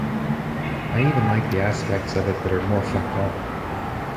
I even like the aspects of it that are more fucked up.